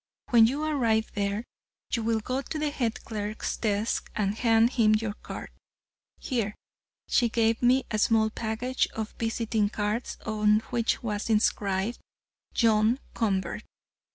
When you arrive there, you will go to the head clerk's desk and hand him your card." Here she gave me a small package of visiting cards on which was inscribed "John Convert."